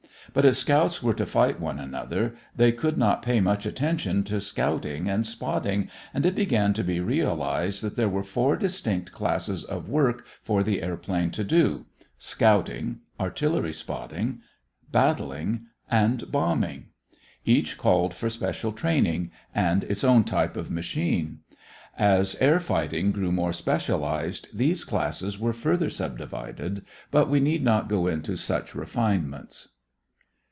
But if scouts were to fight one another, they could not pay much attention to scouting and spotting and it began to be realized that there were four distinct classes of work for the airplane to do scouting, artillery spotting, battling, and bombing. Each called for special training and its own type of machine. As air fighting grew more specialized these classes were further subdivided, but we need not go into such refinements.